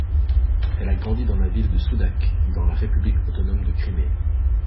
Elle a grandi dans la ville de Sudak, dans la République autonome de Crimée.